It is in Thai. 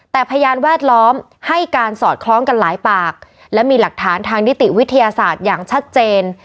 แต่พยานแวดล้อมให้การสอดคล้องกันหลายปากและมีหลักฐานทางนิติวิทยาศาสตร์อย่างชัดเจน